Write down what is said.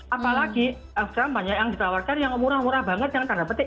apalagi sekarang banyak yang ditawarkan yang murah murah banget yang tanda petik